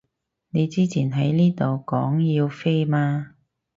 你之前喺呢度講要飛嘛